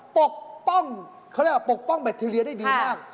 ปกป้องเขาเรียกว่าปกป้องแบคทีเรียได้ดีมาก